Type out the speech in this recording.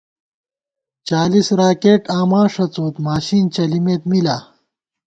چالیس راکېٹ آماݭڅوت، ماشِن چلِمېت می لا